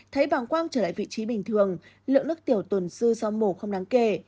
thấy bảng quang trở lại vị trí bình thường lượng nước tiểu tuần dư trong mổ không đáng kể